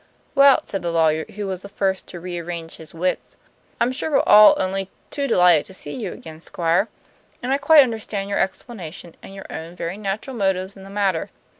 "Well," said the lawyer, who was the first to rearrange his wits, "I'm sure we're all only too delighted to see you again, Squire; and I quite understand your explanation and your own very natural motives in the matter.